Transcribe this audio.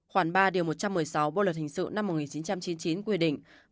khoảng ba điều một trăm một mươi sáu bộ luật hình sự năm một nghìn chín trăm chín mươi chín quy định